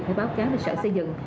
phải báo cáo về sở xây dựng